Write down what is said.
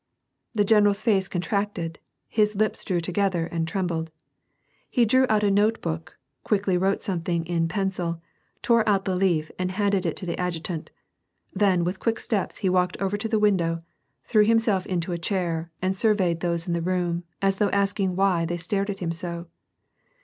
The general's face contracted, his lips drew together and trembled. He drew out a note book, quickly wrote something in pencil, tore out the leaf, and handed it to the adjutant ; then, with quick steps, he walked over to the window, threw himself into a chair, and surveyed those in the room, as though asking why they stared at him so